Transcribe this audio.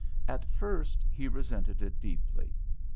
At first he resented it deeply.